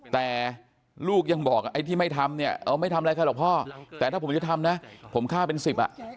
แต่ลูกยังบอกไอ้ที่ไม่ทำเนี่ยเออไม่ทำอะไรใครหรอกพ่อแต่ถ้าผมจะทำนะผมฆ่าเป็นสิบอ่ะ